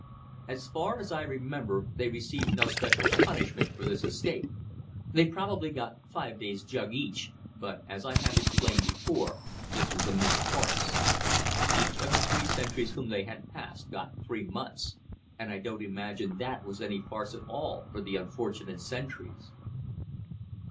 As far as I remember they received no special punishment for this escape. They probably got five days' "jug," each, but, as I have explained before, this was a mere farce. Each of the three sentries whom they had passed got three months and I don't imagine that was any farce at all for the unfortunate sentries.